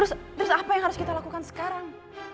terus apa yang harus kita lakukan sekarang